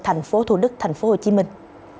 thành phố thủ đức thành phố hồ chí minh